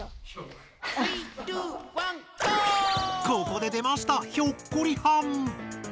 ここで出ました！